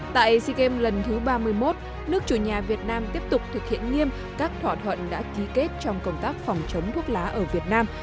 tại sea games lần thứ ba mươi một nước chủ nhà việt nam tiếp tục thực hiện nghiêm các thỏa thuận đã ký kết trong công tác phòng chống thuốc lá ở việt nam